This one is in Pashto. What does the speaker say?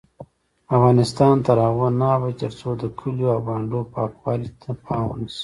افغانستان تر هغو نه ابادیږي، ترڅو د کلیو او بانډو پاکوالي ته پام ونشي.